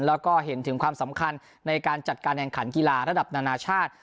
แล้วก็เห็นถึงความสำคัญในการจัดการแข่งขันกีฬาระดับนานาชาติ